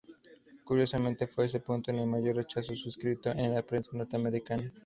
Curiosamente, fue este punto el que mayor rechazo suscitó en la prensa norteamericana.